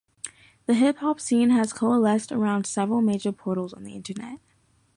The hip hop scene has coalesced around several major portals on the internet.